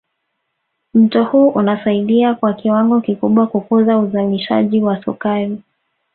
Mto huu unasaidia kwa kiwango kikubwa kukuza uzalishaji wa sukari